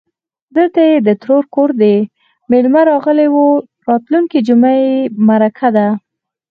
_دلته يې د ترور کور دی، مېلمه راغلی و. راتلونکې جومه يې مرکه ده.